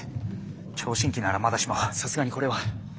聴診器ならまだしもさすがにこれは。